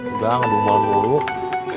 udah ngomong buruk